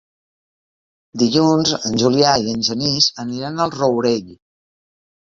Dilluns en Julià i en Genís aniran al Rourell.